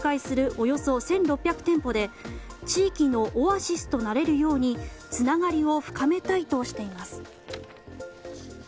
およそ１６００店舗で地域のオアシスとなれるようにつながりを深めたいとしています。